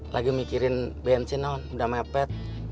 lagi mikirin bensin non udah mepet